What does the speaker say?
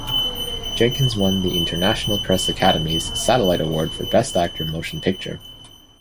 Jenkins won the International Press Academy's Satellite Award for Best Actor - Motion Picture.